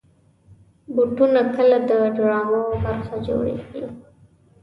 بوټونه کله د ډرامو برخه جوړېږي.